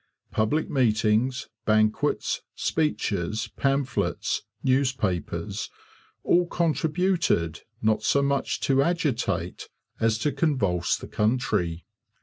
Public meetings, banquets, speeches, pamphlets, newspapers, all contributed not so much to agitate as to convulse the country.